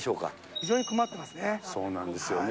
非常に困ってますね。